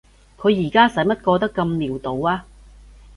佢而家使乜過得咁潦倒啊？